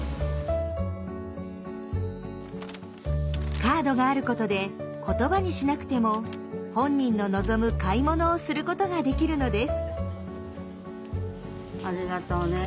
カードがあることで言葉にしなくても本人の望む買い物をすることができるのです。